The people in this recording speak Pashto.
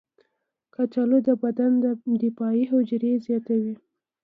کچالو د بدن دفاعي حجرې زیاتوي.